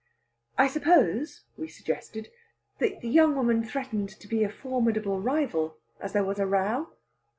"I suppose," we suggested, "that the young woman threatened to be a formidable rival, as there was a row?"